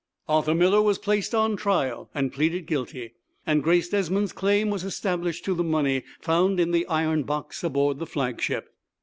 Arthur Miller was placed on trial, and pleaded guilty, and Grace Desmond's claim was established to the money found in the iron box aboard the flagship.